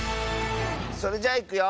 それじゃいくよ！